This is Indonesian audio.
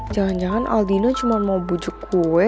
jangan jangan aldino cuma mau bujuk kue